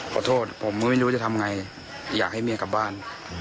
ขอโทษผมก็ไม่รู้จะทำไงอยากให้เมียกลับบ้าน